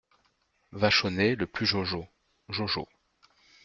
Vachonnet Le plus jojo … jojo …